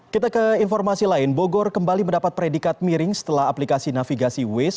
kita ke informasi lain bogor kembali mendapat predikat miring setelah aplikasi navigasi waze